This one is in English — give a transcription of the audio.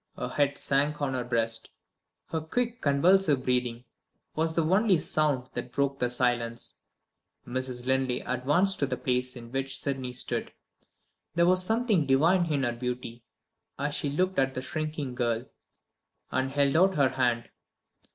Her head sank on her breast; her quick convulsive breathing was the only sound that broke the silence. Mrs. Linley advanced to the place in which Sydney stood. There was something divine in her beauty as she looked at the shrinking girl, and held out her hand.